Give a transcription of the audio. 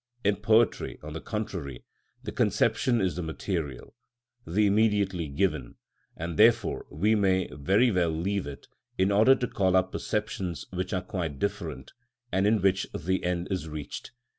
In poetry, on the contrary, the conception is the material, the immediately given, and therefore we may very well leave it, in order to call up perceptions which are quite different, and in which the end is reached.